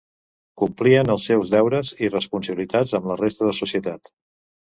Complien els seus deures i responsabilitats amb la resta de societat.